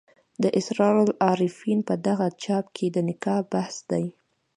د اسرار العارفین په دغه چاپ کې د نکاح بحث دی.